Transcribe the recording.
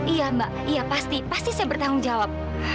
iya mbak iya pasti pasti saya bertanggung jawab